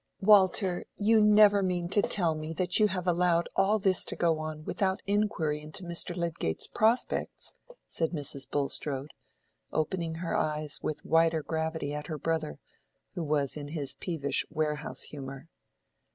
"Walter, you never mean to tell me that you have allowed all this to go on without inquiry into Mr. Lydgate's prospects?" said Mrs. Bulstrode, opening her eyes with wider gravity at her brother, who was in his peevish warehouse humor.